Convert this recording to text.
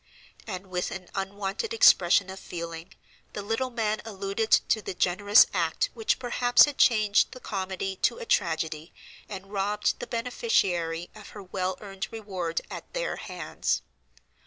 And with an unwonted expression of feeling, the little man alluded to "the generous act which perhaps had changed the comedy to a tragedy and robbed the beneficiary of her well earned reward at their hands."